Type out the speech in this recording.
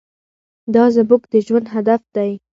دا زموږ د ژوند هدف دی.